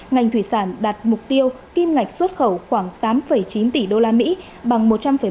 ngành thủy sản đạt mục tiêu kim ngạch xuất khẩu khoảng tám chín tỷ usd bằng một trăm linh một